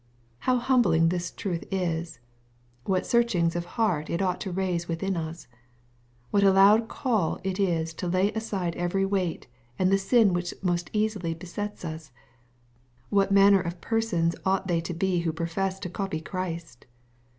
How humbling this truth is ! What searchings of heart it ought to raise within us ! What a loud call it is to " lay aside every weight, and the sin which most easily besets us !" What manner of persons ought they to be who profess to copy Christ